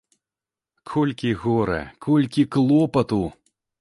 Колькі гора, колькі клопату!